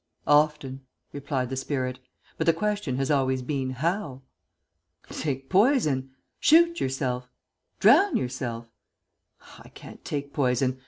"Often," replied the spirit; "but the question has always been, how?" "Take poison! Shoot yourself! Drown yourself!" "I can't take poison.